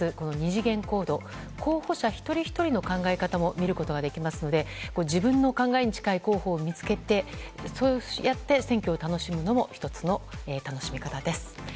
２次元コード候補者一人ひとりの考え方も見ることができますので自分の考えに近い候補を見つけてそうやって選挙を楽しむのも１つの楽しみ方です。